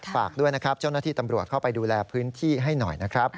ฝากด้วยนะครับเจ้าหน้าที่ตำรวจเข้าไปดูแลพื้นที่ให้หน่อยนะครับ